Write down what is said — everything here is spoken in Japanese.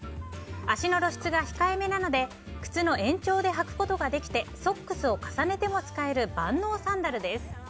足の露出が控えめなので靴の延長で履くことができてソックスを重ねても使える万能サンダルです。